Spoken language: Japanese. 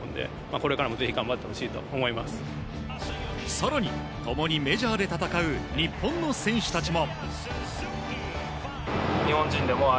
更に、共にメジャーで戦う日本の選手たちも。